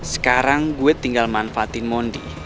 sekarang gue tinggal manfaatin mondi